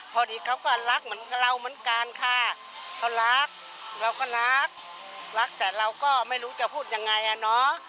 พอดีเขาก็รักเหมือนเราเหมือนกันค่ะเขารักเราก็รักรักแต่เราก็ไม่รู้จะพูดยังไงอ่ะเนาะ